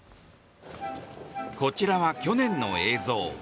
こちらは去年の映像。